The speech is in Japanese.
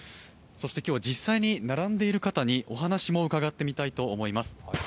今日、実際に並んでいる方にお話も伺ってみたいと思います。